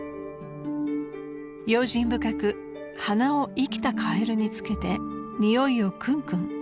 ［用心深く鼻を生きたカエルにつけてにおいをくんくん。